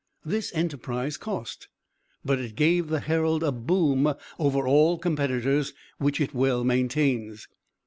This enterprise cost, but it gave the Herald a boom over all competitors, which it well maintains.